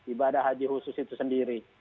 ibadah haji khusus itu sendiri